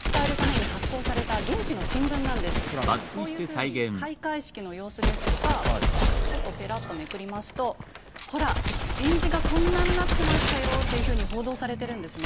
こういうふうに開会式の様子ですとかちょっとぺらっとめくりますとほら展示がこんなんなってましたよというふうに報道されてるんですね。